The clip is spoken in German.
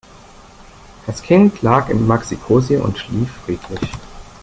Das Kind lag im Maxicosi und schlief friedlich.